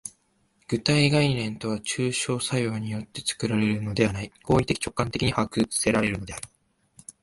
具体概念とは抽象作用によって作られるのではない、行為的直観的に把握せられるのである。